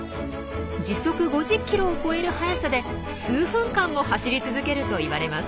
時速５０キロを超える速さで数分間も走り続けるといわれます。